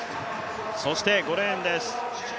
そして５レーンです。